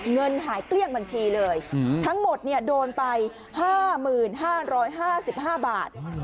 เงินหายเกลี้ยงบัญชีเลยทั้งหมดโดนไป๕๕บาท